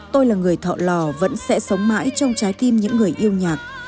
tôi là người thọ lò vẫn sẽ sống mãi trong trái tim những người yêu nhạc